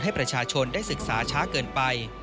ให้ประชาชนได้ศึกษาช้าเกินไป